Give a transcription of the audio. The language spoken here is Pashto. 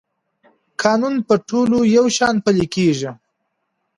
قانون په ټولو یو شان پلی کېږي.